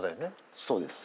そうです。